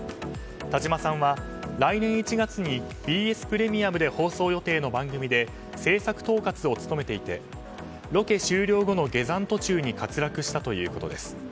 田島さんは来年１月にＢＳプレミアムで放送予定の番組で制作統括を務めていてロケ終了後の下山途中に滑落したということです。